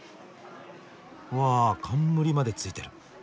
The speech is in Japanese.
わ冠までついてる。